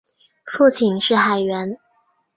父亲是海员。